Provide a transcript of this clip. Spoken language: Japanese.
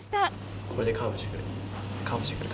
これでカーブしてくる。